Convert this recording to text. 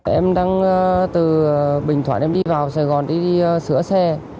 em đang từ bình thoải em đi vào sài gòn đi sửa xe